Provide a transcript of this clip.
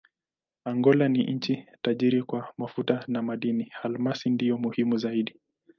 Angola ni nchi tajiri kwa mafuta na madini: almasi ndiyo muhimu zaidi.